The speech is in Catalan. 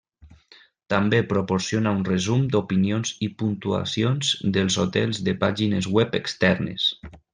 També proporciona un resum d'opinions i puntuacions dels hotels de pàgines web externes.